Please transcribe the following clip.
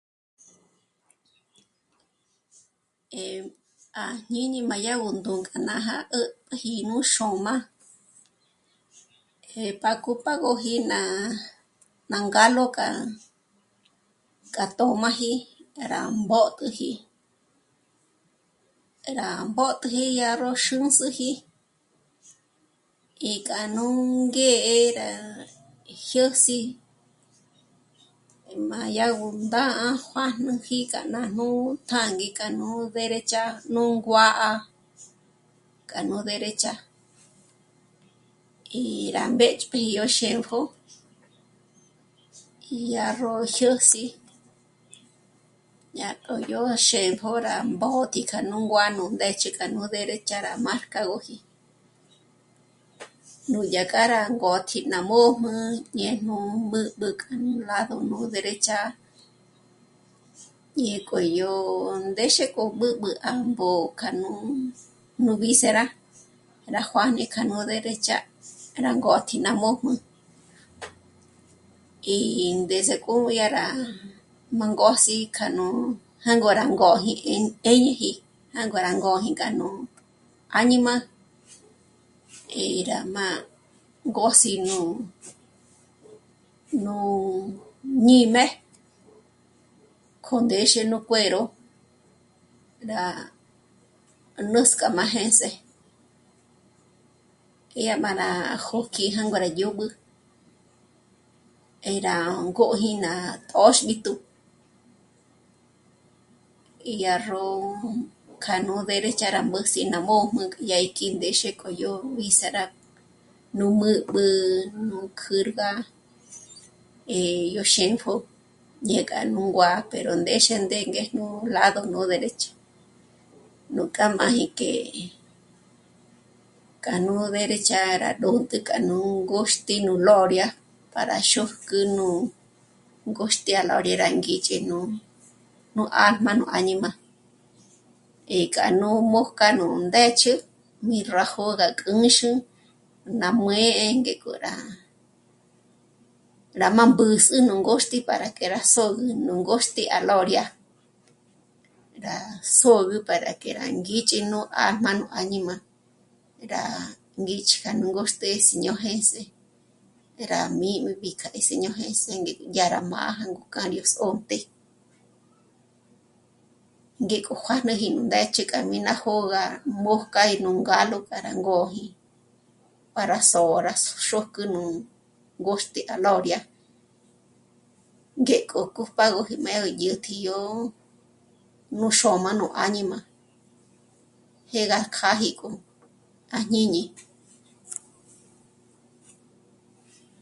Eh..., à jñíñi má yá gó ndú'u k'a nája 'ä̀tp'äji nú xôm'a, eh... pa cupágöji ná... ná ngálo k'a, k'a tö̌m'aji rá mbót'üji, rá mbót'üji yá ró xûndzuji í k'a nú ngë́'ë rá jyês'i má yá gó ndá'a juǎjnüji k'a nájnú t'ângi k'a nú derecha nú nguá'a k'a no derecha, í rá mbë́ch'piji yó xêmpjo yá ró jyěs'i, dyá k'ó jó xémpjo rá mbót'i k'a nú nguá'a nú ndë́ch'ü k'a no derecha rá márcagöji. Núdyà k'a rá ngótji ná mòjm'ü ñéjñu mbǚ'bü k'a nú lado no derecha, ñék'o yó... ndéxe k'o b'ǚb'ü 'à mbó'o k'a nú víscera rá juájn'i k'a no derecha rá ngótji ná mójm'ü í ndéze k'o dyá rá má ngôs'i k'a nú... jângo rá ngóji 'éñeji, jângo rá ngóji k'a nú áñima, eh... rá má ngôs'i nú, nú ñǐm'e k'ó ndéxe nú cuero rá nǘsk'a má jêndze, dyá má rá jôjk'i jângo rá dyób'ü, eh... rá ngôji k'a ná tö̌xb'ítju, dyá ró k'a no derecha má rá mbǘs'i ná mòjm'ü dyá í k'í ndéxi k'o yó víscera nú mǚ'b'ü nú k'ǚrga é yó xêmpjo ñé k'a nú nguá'a pero ndéxe ndé ngéjnu lado no derecho, nú kjámaji k'e, k'a no derecha rá ndônt'e k'a nú ngôxt'i nú Gloria para xójk'ü nú ngôxt'i à la Gloria á ngích'i nú alma nú áñima, e k'a nú mbójk'a nú ndë́ch'ü mí rá jó'o rá kū̌xu ná muë̌'ë ngék'o rá, rá má mbǚs'ü nú ngôxt'i para que rá s'ôgü nú ngôxt'i à Gloria, rá sôgü para que rá ngích'i nú alma nú áñima rá ngích' já nú ngôxte síño jêns'e rá mîbi mí k'a ndé siño jêns'e ngék'o dyá rá mája k'a ró sônt'e. Ngék'o juájnuji nú ndë́ch'ü k'a mí ná jó'o gá mójk'a í nú ngálo para que rá ngóji para sôra xójk'ü nú ngôxt'i à Gloria, ngéjk'o cupágöji má gó dyä̀jtji yó... nú xôm'a nú áñima, jé gá kjâji k'o à jñíñi